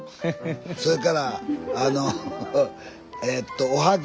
それからあのえとおはぎ。